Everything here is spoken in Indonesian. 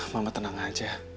mama tenang aja